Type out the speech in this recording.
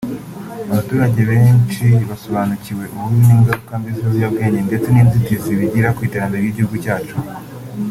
abaturage benshi basobanukiwe ububi n’ingaruka mbi z’ibiyobyabwenge ndetse n’inzitizi bigira ku iterambere ry’igihugu cyacu”